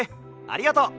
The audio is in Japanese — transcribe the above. ありがとう！